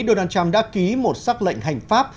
donald trump đã ký một xác lệnh hành pháp